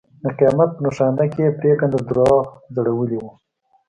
د قیامت په نښانه یې پرېکنده دروغ ځړولي وو.